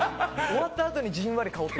終わったあとにじんわり。